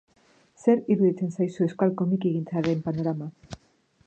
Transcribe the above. Zer iruditzen zaizu euskal komikigintzaren panorama?